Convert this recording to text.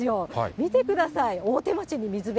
見てください、大手町に水辺。